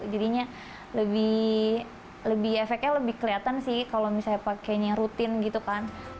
jadinya lebih efeknya lebih kelihatan sih kalau misalnya pakainya rutin gitu kan